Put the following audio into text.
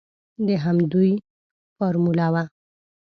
د همدوی فارموله وه.